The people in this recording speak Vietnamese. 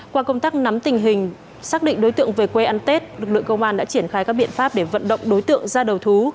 qua công tác nắm tình hình xác định đối tượng về quê ăn tết lực lượng công an đã triển khai các biện pháp để vận động đối tượng ra đầu thú